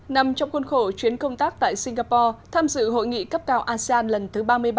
nằm trong khuôn khổ chuyến công tác tại singapore tham dự hội nghị cấp cao asean lần thứ ba mươi ba